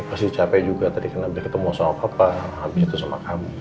pasti capek juga tadi karena dia ketemu sama papa habis itu sama kamu